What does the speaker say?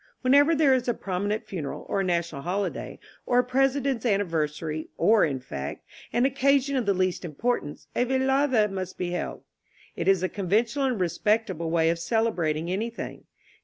Whenever there is a promi nent funeral, or a national holiday, or a President's anniversary, or, in fact, an occasion of the least im portance, a velada must be held. It is the conventional and respectable way of celebrating anything.